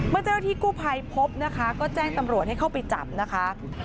เจ้าหน้าที่กู้ภัยพบนะคะก็แจ้งตำรวจให้เข้าไปจับนะคะ